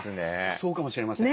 そうかもしれません。